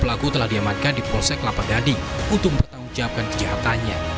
pelaku telah diamankan di polsek lapa gading untuk mempertanggungjawabkan kejahatannya